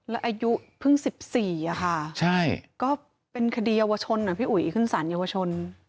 แล้วอายุเพิ่ง๑๔อะค่ะก็เป็นคดีเยาวชนอ่ะพี่อุ๋ยขึ้นสารเยาวชน